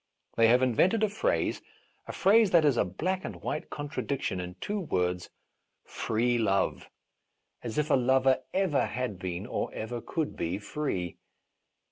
They have invented a phrase, a phrase that is a black and white contradic tion in two words — "free love" — as if a lover ever had been, or ever could be, free.